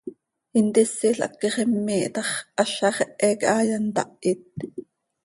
Intisil haquix immiih tax ¿áz haxehe chaaya ntahit?